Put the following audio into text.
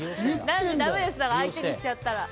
ダメですだから相手にしちゃったら。